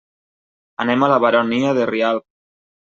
Anem a la Baronia de Rialb.